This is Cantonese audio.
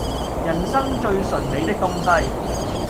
人生最醇美的東西